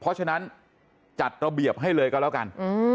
เพราะฉะนั้นจัดระเบียบให้เลยก็แล้วกัน